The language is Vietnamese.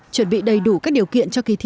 chuẩn bị đầy đủ các điều kiện cho kỳ thi